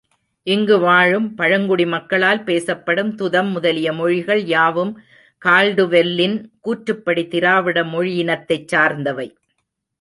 இங்குவாழும் பழங்குடி மக்களால் பேசப்படும் துதம் முதலிய மொழிகள் யாவும் கால்டு வெல்லின் கூற்றுப்படி, திராவிட மொழியினத்தைச் சார்ந்தவை.